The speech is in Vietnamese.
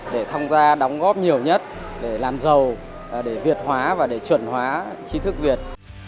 để tham gia đóng góp nhiều nhất để làm giàu để việt hóa và để chuẩn hóa trí thức việt